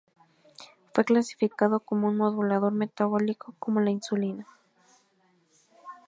Fue clasificado como un modulador metabólico, como la insulina.